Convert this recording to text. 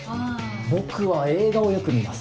僕は映画をよく見ます。